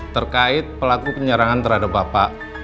terkait pelaku penyerangan terhadap bapak